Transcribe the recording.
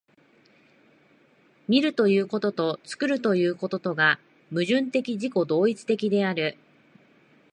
見るということと作るということとが矛盾的自己同一的である。